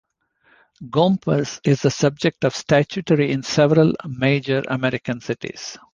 Gompers is the subject of statuary in several major American cities.